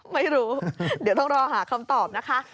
ไม่รู้เดี๋ยวต้องรอหาคำตอบนะคะ